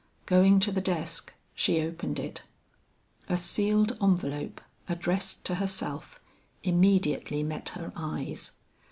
Going to the desk, she opened it. A sealed envelope addressed to herself, immediately met her eyes.